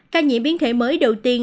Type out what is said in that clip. các nhiễm biến thể mới đầu tiên